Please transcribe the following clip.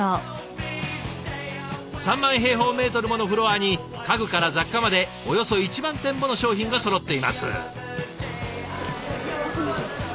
３万平方メートルものフロアに家具から雑貨までおよそ１万点もの商品がそろっています。